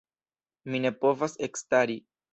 Mi ne povas ekstari.